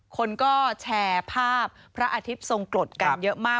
คนก็แชร์ภาพพระอาทิตย์ทรงกรดกันเยอะมาก